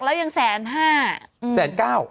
นี่ขนาดแรงหนักแล้วยัง๑๐๕